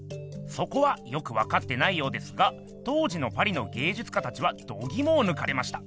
そこはよくわかってないようですが当時のパリの芸術家たちはどぎもをぬかれました。